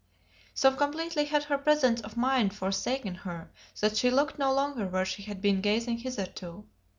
So completely had her presence of mind forsaken her that she looked no longer where she had been gazing hitherto.